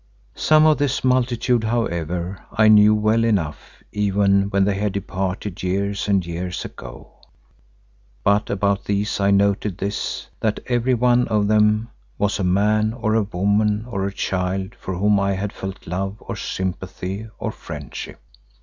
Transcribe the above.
Some of this multitude, however, I knew well enough even when they had departed years and years ago. But about these I noted this, that every one of them was a man or a woman or a child for whom I had felt love or sympathy or friendship.